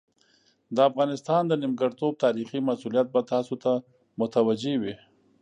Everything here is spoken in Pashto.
د افغانستان د نیمګړتوب تاریخي مسوولیت به تاسو ته متوجه وي.